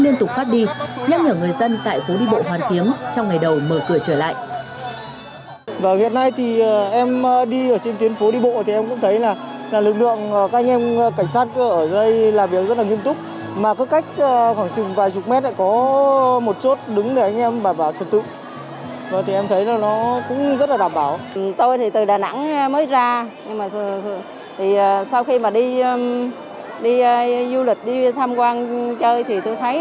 nhắc nhở người dân tại phố đi bộ hoàn kiếm trong ngày đầu mở cửa trở lại